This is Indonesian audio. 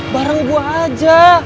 bareng gue aja